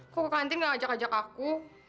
aku ke kantin gak ajak ajak aku